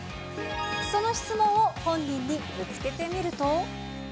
その質問を本人にぶつけてみると。